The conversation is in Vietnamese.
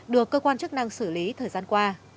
được cơ quan chức năng xử lý thời gian qua